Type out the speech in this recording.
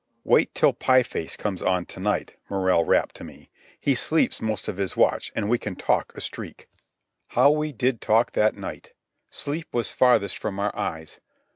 "Wait till Pie Face comes on to night," Morrell rapped to me. "He sleeps most of his watch, and we can talk a streak." How we did talk that night! Sleep was farthest from our eyes.